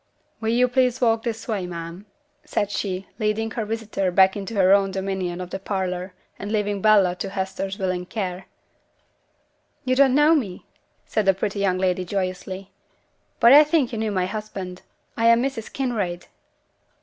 'Will yo' please walk this way, ma'am?' said she, leading her visitor back into her own dominion of the parlour, and leaving Bella to Hester's willing care. 'You don't know me!' said the pretty young lady, joyously. 'But I think you knew my husband. I am Mrs. Kinraid!'